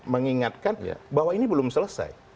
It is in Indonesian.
mengingatkan bahwa ini belum selesai